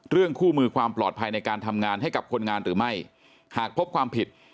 คู่มือความปลอดภัยในการทำงานให้กับคนงานหรือไม่หากพบความผิด